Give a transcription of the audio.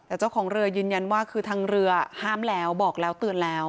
แต่เจ้าของเรือยืนยันว่าคือทางเรือห้ามแล้วบอกแล้วเตือนแล้ว